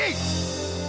dan kamu alena